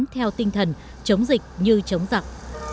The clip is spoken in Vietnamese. theo tinh thần chống dịch như chống giặc